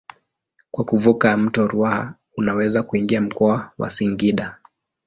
Kwa kuvuka mto Ruaha unaweza kuingia mkoa wa Singida.